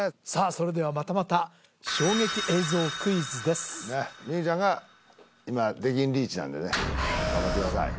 それではまたまた衝撃映像クイズですねっ望結ちゃんが今出禁リーチなんでね頑張ってください